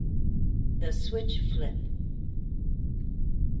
The switch flip.